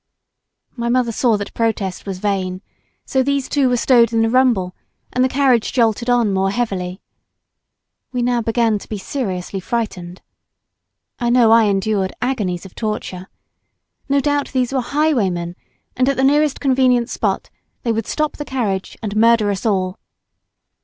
My mother saw that protest was vain, so these two were stowed in the rumble, and the carriage jolted on more heavily. We now began to be seriously frightened. I know I endured agonies of torture. No doubt these were highwaymen, and at the nearest convenient spot they would stop the carriage and murder us all.